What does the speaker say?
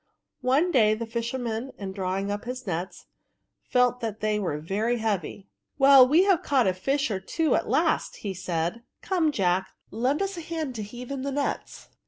One day the fisher man, in drawing up his nets, felt that they were heavy. " Well, we have caught a fish or two at last," said he. *^ Come, Jack, lend us a hand to heave in the nets.'